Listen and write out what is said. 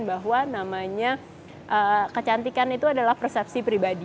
bahwa namanya kecantikan itu adalah persepsi pribadi